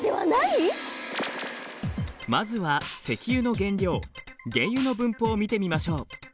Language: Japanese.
まずは石油の原料原油の分布を見てみましょう。